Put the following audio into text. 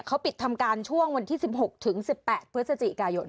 เขาปิดทำการช่วงวันที่๑๖ถึง๑๘พฤศจิกายน